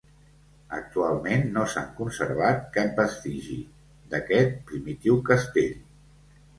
Actualment no s'han conservat cap vestigi d'aquest primitiu castell.